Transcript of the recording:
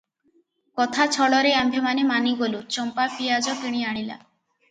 କଥା ଛଳରେ ଆମ୍ଭେମାନେ ମାନିଗଲୁ, ଚମ୍ପା ପିଆଜ କିଣି ଆଣିଲା ।